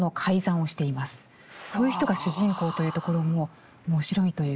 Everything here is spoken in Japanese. そういう人が主人公というところも面白いというか。